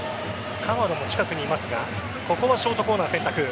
鎌田も近くに居ますがここはショートコーナーを選択。